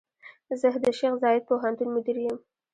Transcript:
زۀ د شيخ زايد پوهنتون مدير يم.